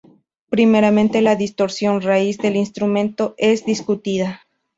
Primeramente, la distorsión raíz del instrumento es discutida.